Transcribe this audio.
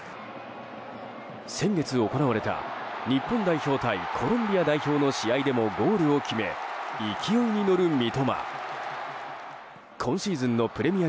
先月、行われた日本代表対コロンビア代表の試合でもゴールを決め、勢いに乗る三笘。